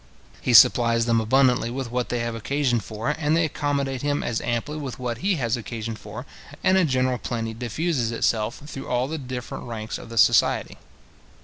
He supplies them abundantly with what they have occasion for, and they accommodate him as amply with what he has occasion for, and a general plenty diffuses itself through all the different ranks of the society.